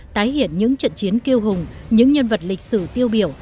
tái hiện những trận chiến kiêu hùng những nhân vật lịch sử tiêu biểu